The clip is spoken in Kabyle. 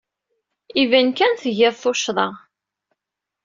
Iban kan tgid tuccḍa.